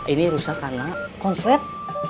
ini rusak karena konslet